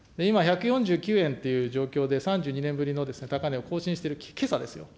今、１４９円という状況で３２年ぶりの高値を更新している、けさですよ。